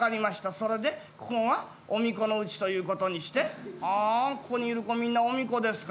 それでここが御巫女の家ということにしてああここにいる妓みんな御巫女ですか。